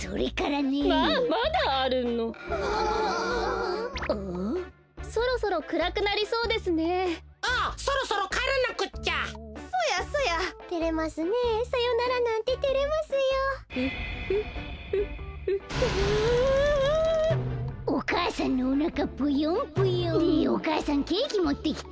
ねえお母さんケーキもってきて。